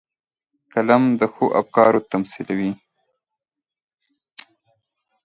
قلم د ښو افکارو تمثیلوي